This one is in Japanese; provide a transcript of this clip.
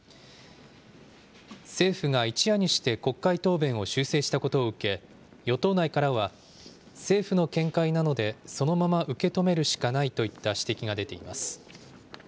政府が一夜にして、国会答弁を修正したことを受け、与党内からは、政府の見解なのでそのまま受け止めるしかないといった指摘が出ています。